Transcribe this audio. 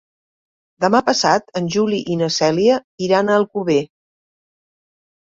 Demà passat en Juli i na Cèlia iran a Alcover.